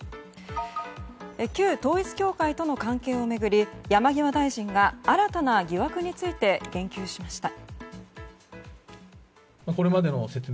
旧統一教会との関係を巡り山際大臣が新たな疑惑について言及しました。